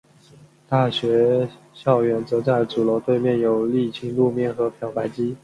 大学校园则在主楼对面有沥青路面和漂白机。